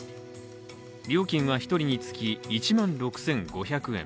料金は１人につき１万６５００円。